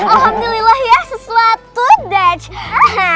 alhamdulillah ya sesuatu dutch